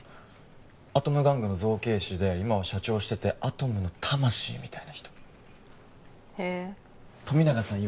アトム玩具の造形師で今は社長しててアトムの魂みたいな人へえ富永さん